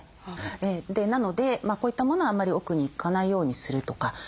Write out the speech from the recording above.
なのでこういったものはあまり奥に行かないようにするとか。